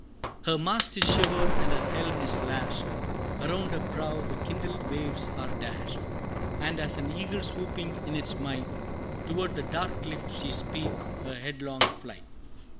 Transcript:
Her mast is shivered and her helm is lashed, Around her prow the kindled waves are dashed And as an eagle swooping in its might, Toward the dark cliff she speeds her headlong flight.